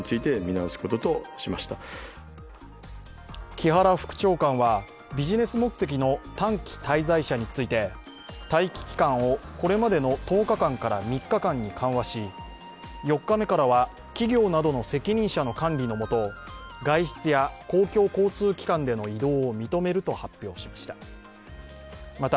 木原副長官はビジネス目的の短期滞在者について待機期間をこれまでの１０日間から３日間に緩和し、４日目からは企業などの責任者の管理の下外出や公共交通機関での移動を認めると発表しました。